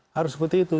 harus seperti itu